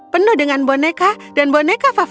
penuh dengan boneka dan boneka favori